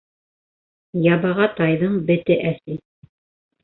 Ябаға тайҙың бете әсе